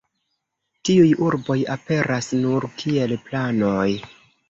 Tiuj urboj aperas nur kiel planoj.